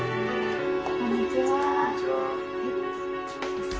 こんにちは。